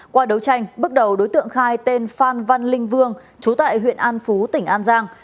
qua đấu tranh bước đầu đối tượng khai tên phan văn linh vương chú tại huyện an phú tỉnh an giang